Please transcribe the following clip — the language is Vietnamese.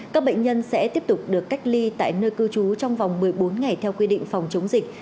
các bệnh nhân sẽ tiếp tục được cách ly tại nơi cư trú trong vòng một mươi bốn ngày theo quy định phòng chống dịch